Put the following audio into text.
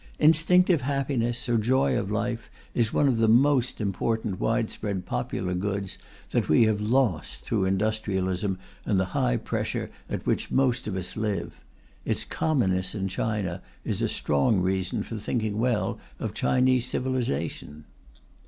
Instinctive happiness, or joy of life, is one of the most important widespread popular goods that we have lost through industrialism and the high pressure at which most of us live; its commonness in China is a strong reason for thinking well of Chinese civilization.